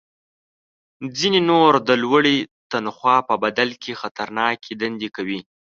ځینې نور د لوړې تنخوا په بدل کې خطرناکې دندې کوي